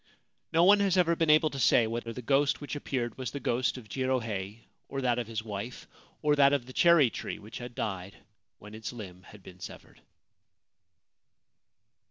No one has ever been able to say whether the ghost which appeared was the ghost of Jirohei, or that of his wife, or that of the cherry tree which had died when its limb had been severed.